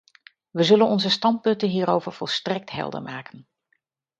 We zullen onze standpunten hierover volstrekt helder maken.